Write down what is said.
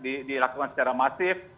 fire stress dilakukan secara masif